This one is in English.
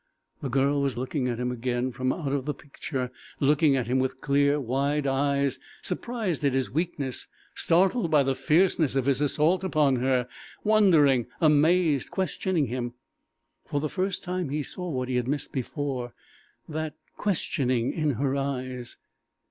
The girl was looking at him again from out of the picture looking at him with clear, wide eyes, surprised at his weakness, startled by the fierceness of his assault upon her, wondering, amazed, questioning him! For the first time he saw what he had missed before that questioning in her eyes.